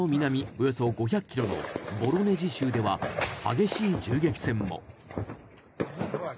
およそ５００ｋｍのボロネジ州では激しい銃撃戦も。